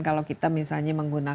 kalau kita misalnya menggunakan